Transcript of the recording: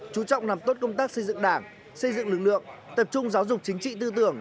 chú trọng làm tốt công tác xây dựng đảng xây dựng lực lượng tập trung giáo dục chính trị tư tưởng